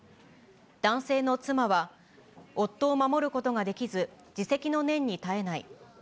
男性の妻は、夫を守ることができず、自責の念に堪えない。